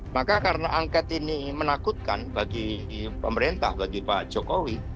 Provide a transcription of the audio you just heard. maka karena angket ini menakutkan bagi pemerintah bagi pak jokowi